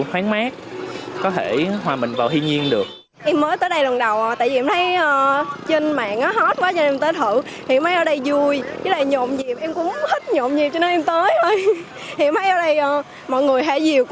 hóa mát có thể hòa mình vào thiên nhiên được